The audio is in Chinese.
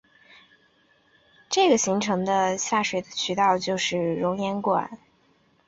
这个形成的地下渠道就是熔岩管。